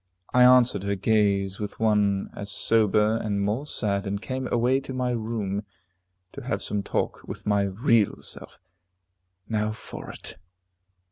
I answered her gaze with one as sober, and more sad, and came away to my room, to have some talk with my real self. Now for it.